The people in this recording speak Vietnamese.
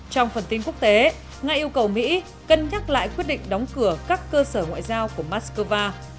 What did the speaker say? trong phần tin quốc tế nga yêu cầu mỹ cân nhắc lại quyết định đóng cửa các cơ sở ngoại giao của moscow